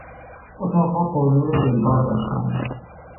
اتاقها پر نور و دلباز هستند.